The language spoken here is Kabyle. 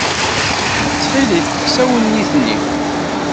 Ttxilek, kkes awennit-nni.